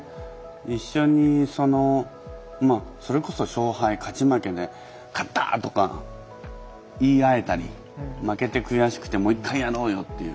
一緒にそれこそ勝敗勝ち負けで「勝った！」とか言い合えたり負けて悔しくて「もう一回やろうよ」っていう。